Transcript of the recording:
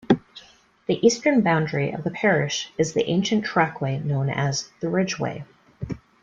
The eastern boundary of the parish is the ancient trackway known as The Ridgeway.